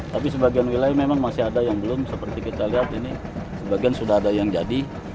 tapi sebagian wilayah memang masih ada yang belum seperti kita lihat ini sebagian sudah ada yang jadi